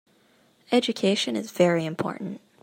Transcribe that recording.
Education is very important.